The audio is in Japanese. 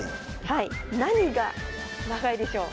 はい何が長いでしょう？